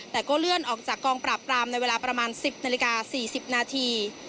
แต่ก็เลื่อนออกจากกองปราบปรามในเวลาประมาณ๑๐นาฬิกา๔๐นาที